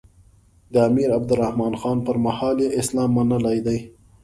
د امیر عبدالرحمان خان پر مهال یې اسلام منلی دی.